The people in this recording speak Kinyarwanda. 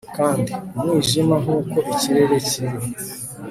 kandi, umwijima nkuko ikirere kiri